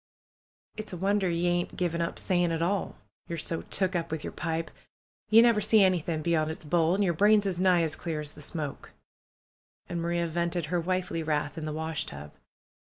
"It's a wonder ye ain't given up saying at all ! Ye're so took up with yer pipe. Ye never see anything bey on' its bowl, an' yer brains is nigh as clear as the smoke." And Maria vented her wifely wrath in the washtub.